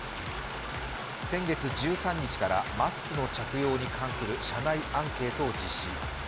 先月１３日からマスクの着用に関する社内アンケートを実施。